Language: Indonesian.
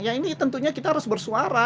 ya ini tentunya kita harus bersuara